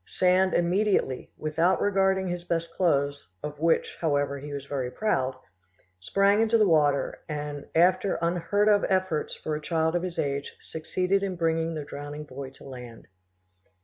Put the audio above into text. Sand immediately, without regarding his best clothes, of which, however, he was very proud, sprang into the water, and, after unheard of efforts for a child of his age, succeeded in bringing the drowning boy to land.